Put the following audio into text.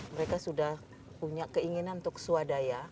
mereka sudah punya keinginan untuk swadaya